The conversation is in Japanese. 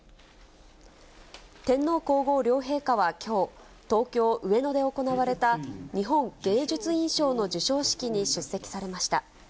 天皇皇后両陛下はきょう、東京・上野で行われた日本芸術院賞の授賞式に出席されました。